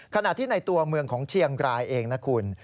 ขณะที่ในตัวเมืองของเชียงรายเองนะคุณ